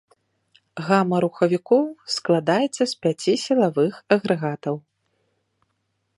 Гама рухавікоў складалася з пяці сілавых агрэгатаў.